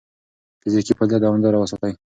فزیکي فعالیت دوامداره وساتئ.